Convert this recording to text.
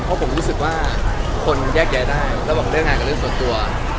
เพราะผมรู้สึกว่าคนแยกแยะได้ระหว่างเรื่องงานกับเรื่องส่วนตัว